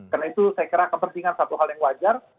karena itu saya kira kepentingan satu hal yang wajar